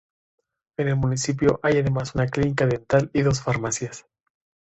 En el municipio hay además una clínica dental y dos farmacias.